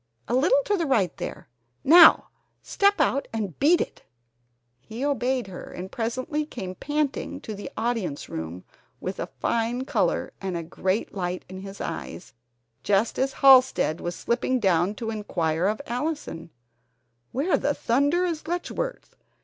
A little to the right, there now step out and beat it!" He obeyed her, and presently came panting to the audience room, with a fine color, and a great light in his eyes, just as Halsted was slipping down to inquire of Allison: "Where in thunder is Letchworth?